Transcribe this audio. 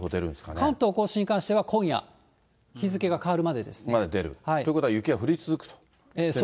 関東甲信に関しては今夜、日付が変わるまでですまで出る？ということは雪はそうです。